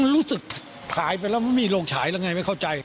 รู้สึกถ่ายไปแล้วไม่มีโรงฉายแล้วไงไม่เข้าใจ